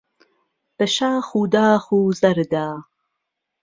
بە شاخ و داخ و زەردا